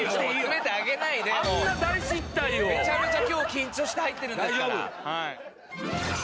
めちゃめちゃ今日緊張して入ってるんですから。